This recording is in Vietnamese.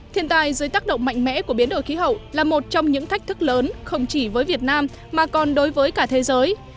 thiên tai dưới tác động mạnh mẽ của biến đổi khí hậu là một trong những thách thức lớn không chỉ với việt nam mà còn đối với cả thế giới